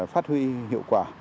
phát huy hiệu quả